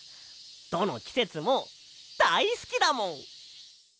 どのきせつもだいすきだもん！